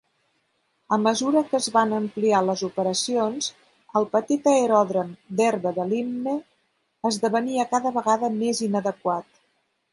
A mesura que es van ampliar les operacions, el petit aeròdrom d'herba a Lympne esdevenia cada vegada més inadequat.